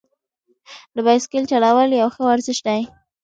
د بایسکل چلول یو ښه ورزش دی.